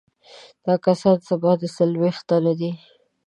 دا کسان څه باندې څلوېښت تنه دي.